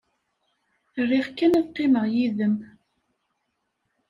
Riɣ kan ad qqimeɣ yid-m.